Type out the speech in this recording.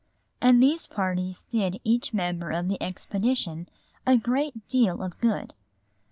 And these parties did each member of the expedition a great deal of good.